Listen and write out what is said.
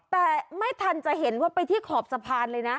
แต่ไม่ทันจะเห็นว่าไปที่ขอบสะพานเลยนะ